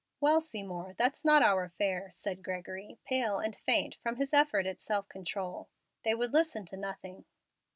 "Well, Seymour, that's not our affair," said Gregory, pale and faint from his effort at self control. "They would listen to nothing."